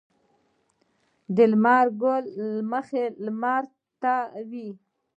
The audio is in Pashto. د لمر ګل مخ لمر ته وي.